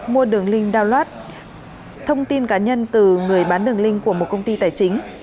mua đường link download thông tin cá nhân từ người bán đường link của một công ty tài chính